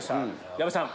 矢部さん。